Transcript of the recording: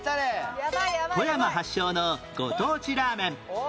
富山発祥のご当地ラーメン